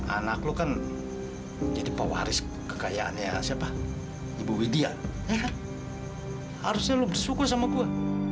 anak lo kan jadi pewaris kekayaannya siapa ibu widya harusnya lo bersyukur sama gue